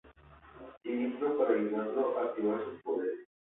Siniestro para ayudarlo a activar sus poderes.